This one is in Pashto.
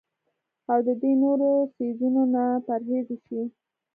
او د دې نورو څيزونو نه پرهېز اوشي